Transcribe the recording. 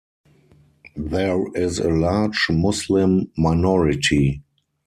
There is a large Muslim minority.